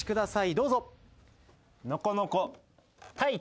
どうぞ。